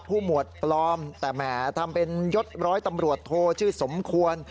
หมวดปลอมแต่แหมทำเป็นยศร้อยตำรวจโทชื่อสมควร